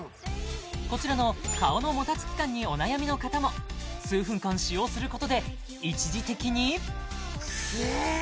こちらの顔のもたつき感にお悩みの方も数分間使用することで一時的にねえ